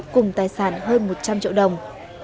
cùng tài sản hơn một trăm linh triệu đồng